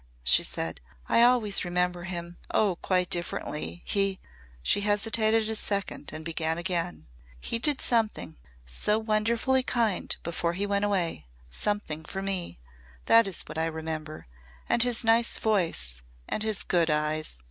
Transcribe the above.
she said. "I always remember him oh, quite differently! He " she hesitated a second and began again. "He did something so wonderfully kind before he went away something for me. That is what I remember. And his nice voice and his good eyes."